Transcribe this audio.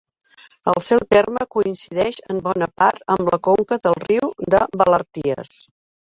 El seu terme coincideix en bona part amb la conca del riu de Valarties.